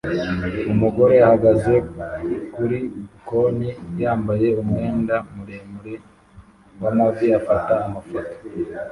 Umugore ahagaze kuri bkoni yambaye umwenda muremure wamavi afata amafoto